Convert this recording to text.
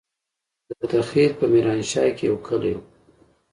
دته خېل په ميرانشاه کې يو کلی وو.